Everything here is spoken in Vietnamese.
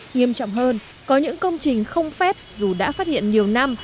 nghiêm trọng hơn có những công trình không phép dù đã phát hiện nhiều năm